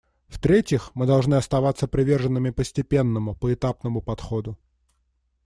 В-третьих, мы должны оставаться приверженными постепенному, поэтапному подходу.